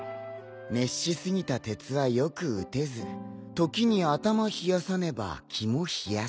熱し過ぎた鉄はよく打てず時に頭冷やさねば肝冷やす。